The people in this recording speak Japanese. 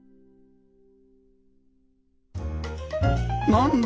なんだ？